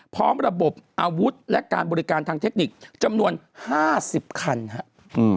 พร้อมระบบอาวุธและการบริการทางเทคนิคจำนวน๕๐คันครับ